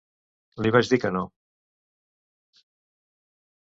Li vaig dir que no.